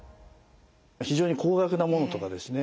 非常に高額なものとかですね